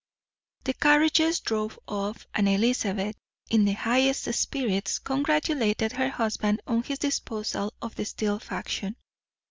The carriages drove off, and Elizabeth, in the highest spirits, congratulated her husband on his disposal of the Steele faction.